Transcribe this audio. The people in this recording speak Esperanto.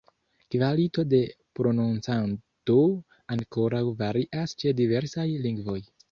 Kvalito de prononcado ankoraŭ varias ĉe diversaj lingvoj.